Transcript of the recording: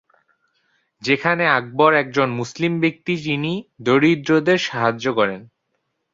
যেখানে আকবর একজন মুসলিম ব্যক্তি যিনি দরিদ্রদের সাহায্য করেন।